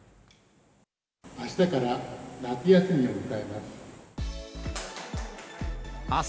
あしたから夏休みを迎えます。